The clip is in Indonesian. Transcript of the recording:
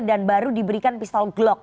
dan baru diberikan pistol glock